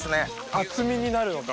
厚みになるのか。